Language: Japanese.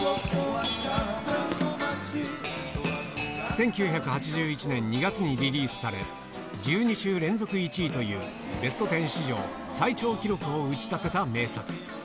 １９８１年２月にリリースされ、１２週連続１位という、ベストテン史上最長記録を打ち立てた名作。